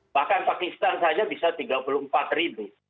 bahkan pakistan saja bisa tiga puluh empat ribu